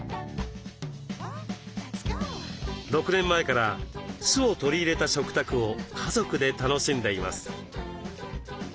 ６年前から酢を取り入れた食卓を家族で楽しんでいます。